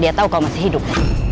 dia tahu kau masih hidup